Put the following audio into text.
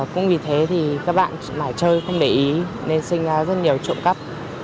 cũng vì thế thì các bạn mà chơi không để ý nên sinh rất nhiều trộm cắp